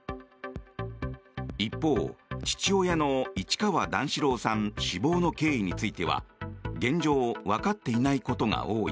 一方、父親の市川段四郎さん死亡の経緯については現状、わかっていないことが多い。